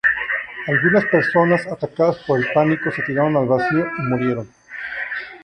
Algunas personas atacadas por el pánico se tiraron al vacío y murieron.